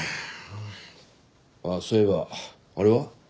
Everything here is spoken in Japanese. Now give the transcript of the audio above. ああそういえばあれは？